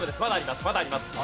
まだあります。